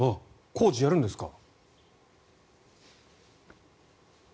工事、やるんですか？